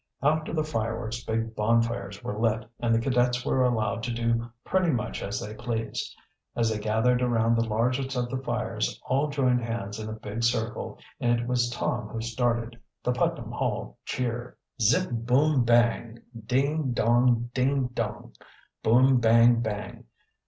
After the fireworks big bonfires were lit, and the cadets were allowed to do pretty much as they pleased. As they gathered around the largest of the fires all joined hands in a big circle, and it was Tom who started the Putnam Hall cheer: "Zip, boom, bang! Ding, dong! Ding, dong! Boom, bang, bang!